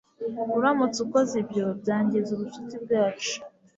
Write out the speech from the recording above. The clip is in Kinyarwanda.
Uramutse ukoze ibyo byangiza ubucuti bwacu